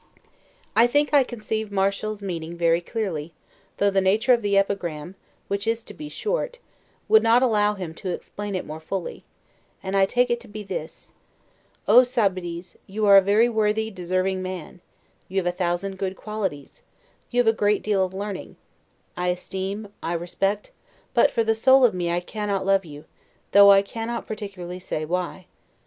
I think I conceive Martial's meaning very clearly, though the nature of epigram, which is to be short, would not allow him to explain it more fully; and I take it to be this: O Sabidis, you are a very worthy deserving man; you have a thousand good qualities, you have a great deal of learning; I esteem, I respect, but for the soul of me I cannot love you, though I cannot particularly say why.